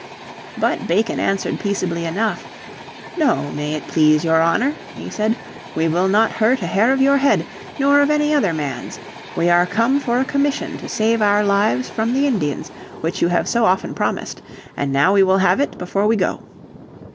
But Bacon answered peaceably enough. "No, may it please your honour," he said, "we will not hurt a hair of your head, nor of any other man's. We are come for a commission to save our lives from the Indians which you have so often promised. And now we will have it before we go."